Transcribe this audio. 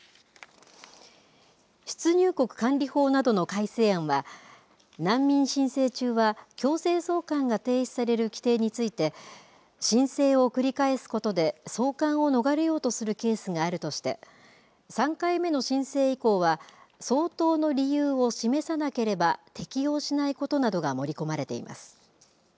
出入国管理法などの改正案は難民申請中は強制送還が停止される規定について申請を繰り返すことで送還を逃れようとするケースがあるとして３回目の申請以降は相当の理由を示さなければ適用しないことなどが盛り込まれています。